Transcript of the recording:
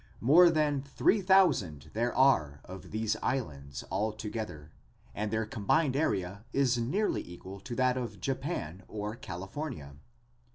More than three thousand there are of these islands all together, and their combined area is nearly equal to that of Japan or California.